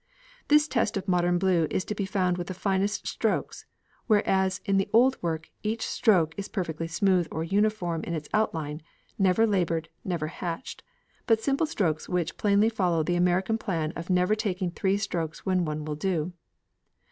This test of modern blue is to be found with the finest strokes, whereas in the old work each stroke is perfectly smooth or uniform in its outline, never laboured, never hatched, but simple strokes which plainly follow the American plan of never taking three strokes when one stroke will do.